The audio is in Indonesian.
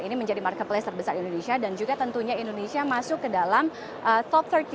ini menjadi marketplace terbesar di indonesia dan juga tentunya indonesia masuk ke dalam top tiga puluh